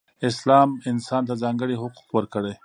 اسلام انسان ته ځانګړې حقوق ورکړئ.